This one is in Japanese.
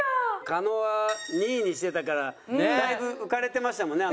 加納は２位にしてたからだいぶ浮かれてましたもんね